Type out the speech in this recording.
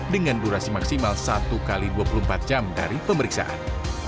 dengan durasi maksimal satu x dua puluh empat jam dari pemeriksaan